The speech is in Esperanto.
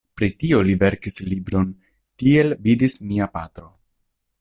Pri tio li verkis libron "Tiel vidis mia patro".